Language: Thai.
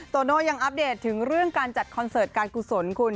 โตโน่ยังอัปเดตถึงเรื่องการจัดคอนเสิร์ตการกุศลคุณ